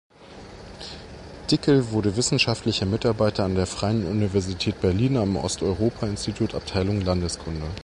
Dickel wurde wissenschaftlicher Mitarbeiter an der Freien Universität Berlin am Osteuropa-Institut, Abteilung Landeskunde.